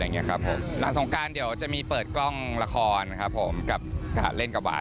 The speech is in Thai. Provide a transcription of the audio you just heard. นังทรงกลางจะเปิดกล้องละครและเล่นก็วาน